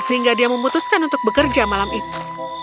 sehingga dia memutuskan untuk bekerja malam itu